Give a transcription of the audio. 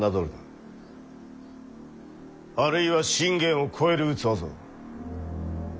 あるいは信玄を超える器ぞ。